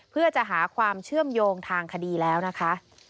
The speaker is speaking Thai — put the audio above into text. เพื่อจะหาความเชื่อมโยงทางคดีแล้วนะคะ